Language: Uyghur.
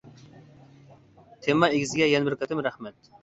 تېما ئىگىسىگە يەنە بىر قېتىم رەھمەت.